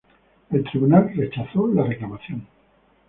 El tribunal rechazó la reclamación.